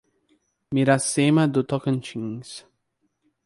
Miracema do Tocantins